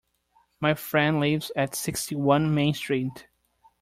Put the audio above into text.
My friend lives at sixty-one Main Street